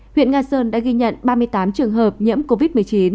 huyện nga sơn đã ghi nhận ba mươi tám trường hợp nhiễm covid một mươi chín